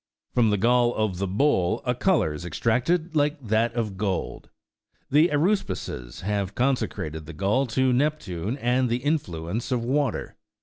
From the gall of the bull a colour is extracted like that of gold. The aruspices have consecrated the gall to Nep tune and the influence of water.